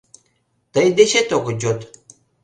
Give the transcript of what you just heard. Тый дечет огыт йод.